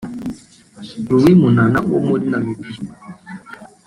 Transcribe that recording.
Luis Munana wo muri Namibia